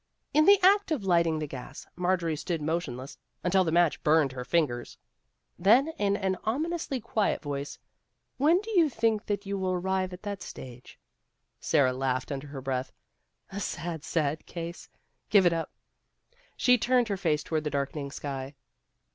In the act of lighting the gas, Marjorie stood motionless until the match burned her fingers. Then in an ominously quiet voice, " When do you think that you will arrive at that stage ?" One of the Girls 277 Sara laughed under her breath. " A sad, sad case. Give it up." She turned her face toward the darkening sky.